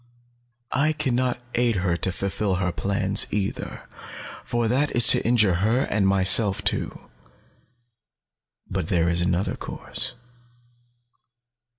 I can not aid her to fulfill her plans, either, for that is to injure her and myself too. But there is another course.